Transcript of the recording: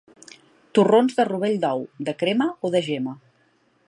Torrons de rovell d'ou, de crema o de gema.